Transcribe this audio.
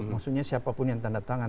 maksudnya siapapun yang tanda tangan